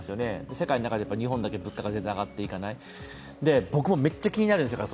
世界の中で日本だけが物価が上がっていかない、僕もめっちゃ気になるんですよ。